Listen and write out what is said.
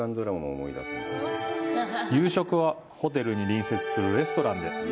夕食はホテルに隣接するレストランで。